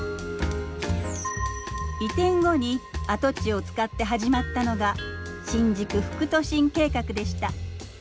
移転後に跡地を使って始まったのが「新宿副都心計画」でした。